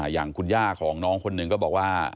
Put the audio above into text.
อย่างคุณย่าของน้องคนหนึ่งก็บอกว่า